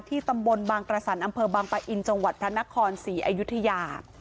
ตำบลบางกระสันอำเภอบางปะอินจังหวัดพระนครศรีอยุธยา